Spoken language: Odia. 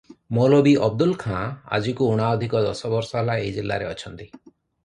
ମୌଲବୀ ଅବଦୁଲ ଖାଁ ଆଜକୁ ଊଣା ଅଧିକ ଦଶ ବରଷ ହେଲା ଏହି ଜିଲାରେ ଅଛନ୍ତି ।